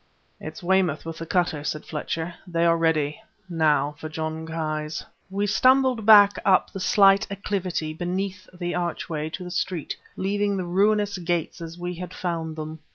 "It's Weymouth with the cutter," said Fletcher; "they are ready ... now for Jon Ki's." We stumbled back up the slight acclivity beneath the archway to the street, leaving the ruinous gates as we had found them.